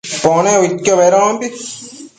Pone uidquio bedombi